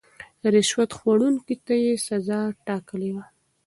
رشوت خوړونکو ته يې سزا ټاکلې وه.